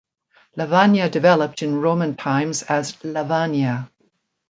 Lavagna developed in Roman times as Lavania.